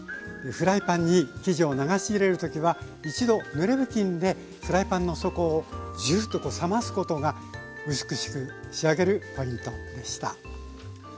フライパンに生地を流し入れる時は一度ぬれ布巾でフライパンの底をジュッと冷ますことが美しく仕上げるポイントでした。